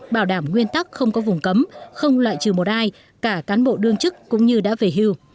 bảo đảm nguyên tắc không có vùng cấm không loại trừ một ai cả cán bộ đương chức cũng như đã về hưu